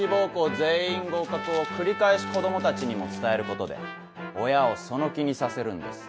全員合格を繰り返し子供たちにも伝えることで親をその気にさせるんです。